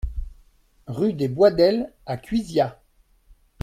Rue des Boisdels à Cuisia